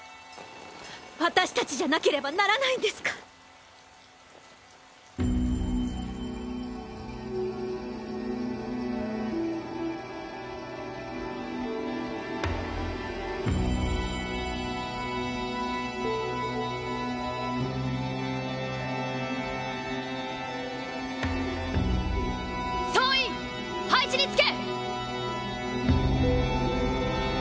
私たちじゃなければならないんですか⁉総員配置に就け！